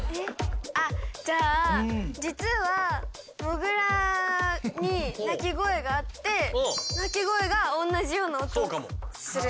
あっじゃあ実はもぐらに鳴き声があって鳴き声が同じような音がする。